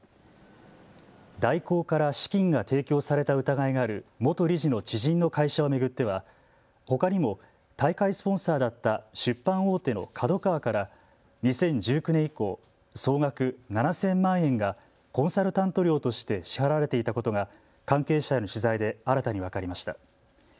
大広から資金が提供された疑いがある元理事の知人の会社を巡ってはほかにも大会スポンサーだった出版大手のＫＡＤＯＫＡＷＡから２０１９年以降、総額７０００万円がコンサルタント料として支払われていたことが関係者への取材で新たに分かりました。